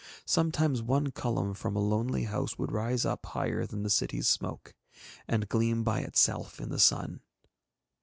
Sometimes one column from a lonely house would rise up higher than the cities' smoke, and gleam by itself in the sun.